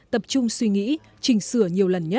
tập trung suy nghĩ trình sửa nhiều lần